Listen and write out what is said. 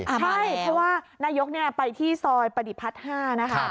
ใช่เพราะว่านายกไปที่ซอยปฏิพัฒน์๕นะคะ